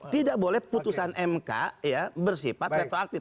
tidak boleh putusan mk bersifat retroaktif